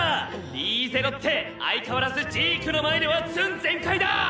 リーゼロッテ相変わらずジークの前ではツン全開だ！